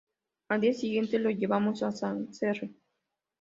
Al día siguiente lo llevamos a Sancerre.